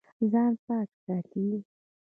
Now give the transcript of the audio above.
ځان پاک ساتئ